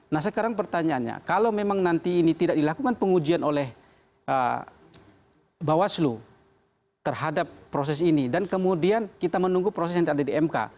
nah sekarang pertanyaannya kalau memang nanti ini tidak dilakukan pengujian oleh bawaslu terhadap proses ini dan kemudian kita menunggu proses yang ada di mk